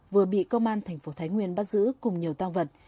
vừa bị công an thành phố thái nguyên bắt giữ cùng nhiều tăng vật